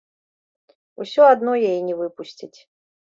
Усё адно яе не выпусцяць.